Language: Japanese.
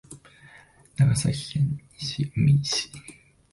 長崎県西海市